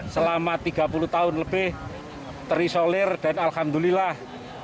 selama tiga puluh tahun lebih terisolir dan alhamdulillah